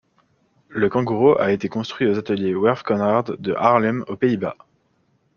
Le Kanguro a été construit aux ateliers Werf Conrad de Haarlem, aux Pays-Bas.